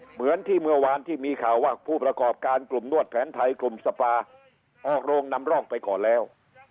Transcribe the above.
เหมือนที่เมื่อวานที่มีข่าวว่าผู้ประกอบการกลุ่มนวดแผนไทยกลุ่มสภาออกโรงนำร่องไปก่อนแล้ว